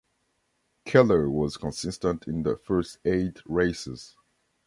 Keller was consistent in the first eight races.